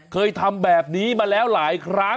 เคยทำแบบนี้มาแล้วหลายครั้ง